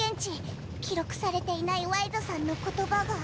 記録されていないワイズさんの言葉が。